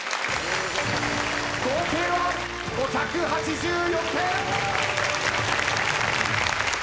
合計は５８４点。